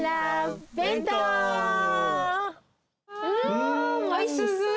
うんおいしそう。